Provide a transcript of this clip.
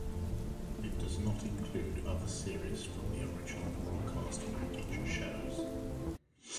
It does not include other series from the original broadcast package shows.